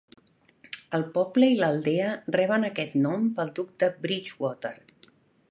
El poble i l'aldea reben aquest nom pel duc de Bridgewater.